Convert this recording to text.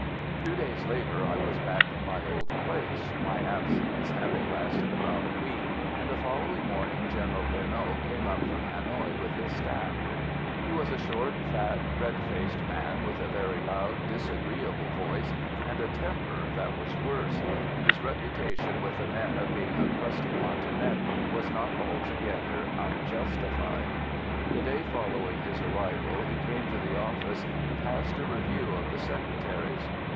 Two days later I was back in my old place, my absence having lasted about a week, and the following morning General Pernot came up from Hanoï with his staff. He was a short, fat, red faced man with a very loud, disagreeable voice, and a temper that was worse; and his reputation with the men of being a crusty martinet was not altogether unjustified. The day following his arrival he came to the office and passed a review of the secretaries.